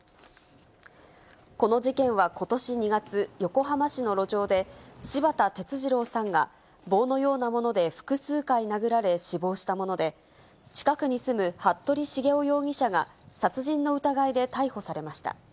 この事件はことし２月、横浜市の路上で、柴田哲二郎さんが、棒のようなもので複数回殴られ死亡したもので、近くに住む服部繁雄容疑者が、殺人の疑いで逮捕されました。